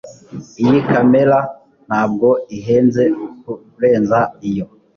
Iyi kamera ntabwo ihenze kurenza iyo.